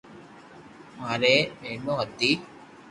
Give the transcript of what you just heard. ماري ٻينو ھتي